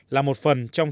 là một phần trong chiến đấu